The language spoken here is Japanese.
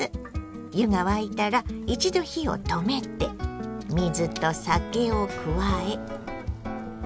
湯が沸いたら一度火を止めて水と酒を加えかき混ぜます。